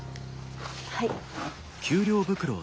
はい。